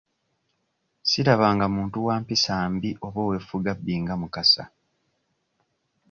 Sirabanga muntu wa mpisa mbi oba ow'effugabbi nga Mukasa.